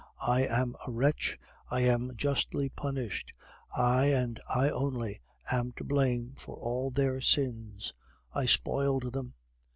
I am a wretch, I am justly punished. I, and I only, am to blame for all their sins; I spoiled them.